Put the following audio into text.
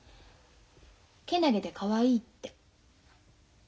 けなげでかわいいって。